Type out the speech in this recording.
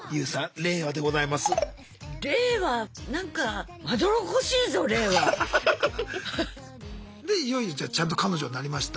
令和なんかでいよいよじゃあちゃんと彼女になりました。